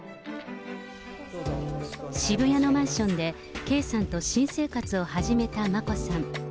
渋谷のマンションで圭さんと新生活を始めた眞子さん。